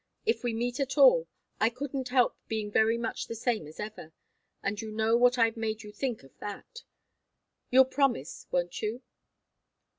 If we meet at all, I couldn't help being very much the same as ever, and you know what I've made you think of that. You'll promise, won't you?"